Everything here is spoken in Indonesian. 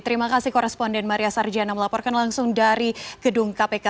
terima kasih koresponden maria sarjana melaporkan langsung dari gedung kpk